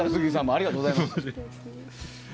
ありがとうございます。